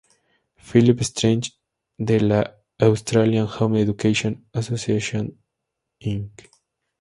Philip Strange de la "Australian Home Education Association Inc.